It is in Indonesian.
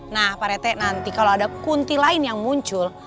nah pak rete nanti kalau ada kunti lain yang muncul